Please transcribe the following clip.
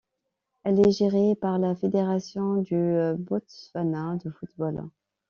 Elle est gérée par la Fédération du Botswana de football.